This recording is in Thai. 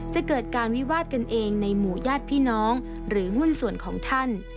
จะเกิดการวิวาดกันเองในหมู่ญาติพี่น้องหรือหุ้นส่วนของท่าน